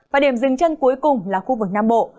và điểm dừng chân cuối cùng là khu vực nam bộ